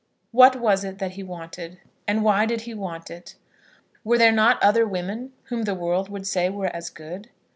What was it that he wanted, and why did he want it? Were there not other women whom the world would say were as good?